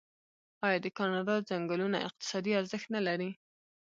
آیا د کاناډا ځنګلونه اقتصادي ارزښت نلري؟